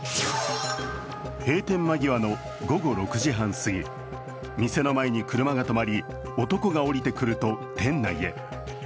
閉店間際の午後６時半過ぎ、店の前に車が止まり男が降りてくると、店内へ。